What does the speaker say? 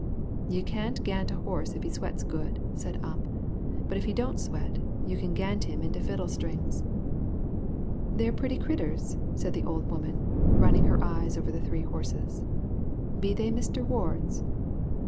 "You can't ga'nt a horse if he sweats good," said Ump; "but if he don't sweat, you can ga'nt him into fiddle strings." "They're pretty critters," said the old woman, running her eyes over the three horses. "Be they Mister Ward's?"